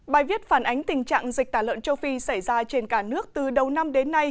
bài viết phản ánh tình trạng dịch tả lợn châu phi xảy ra trên cả nước từ đầu năm đến nay